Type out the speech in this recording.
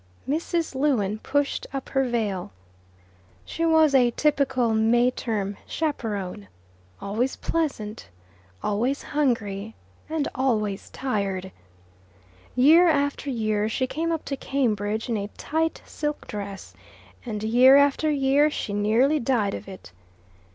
Mrs. Lewin pushed up her veil. She was a typical May term chaperon, always pleasant, always hungry, and always tired. Year after year she came up to Cambridge in a tight silk dress, and year after year she nearly died of it.